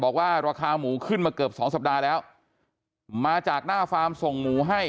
บอกว่าราคาหมูขึ้นมาเกือบสองสัปดาห์แล้วมาจากหน้าฟาร์มส่งหมูให้